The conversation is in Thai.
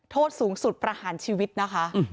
โทษสูงสุดประหารชีวิตนะคะ